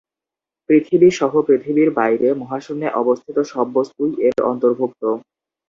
পৃথিবী সহ পৃথিবীর বাইরে মহাশূন্যে অবস্থিত সব বস্তুই এর অন্তর্ভুক্ত।